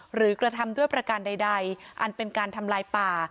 กระทำด้วยประการใดอันเป็นการทำลายป่า